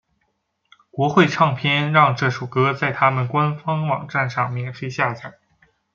国会唱片让这首歌在他们官方网站上免费下载。